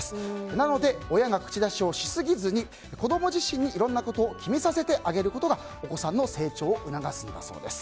なので、親が口出しをしすぎずに子供自身にいろんなことを決めさせてあげることがお子さんの成長を促すんだそうです。